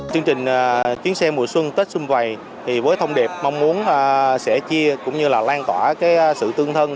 chương trình chuyến xe mùa xuân tết xung vầy với thông điệp mong muốn sẽ chia cũng như là lan tỏa sự tương thân